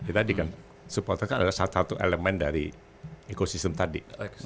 ya tadi kan supporter kan adalah satu satu elemen dari ekosistem tadi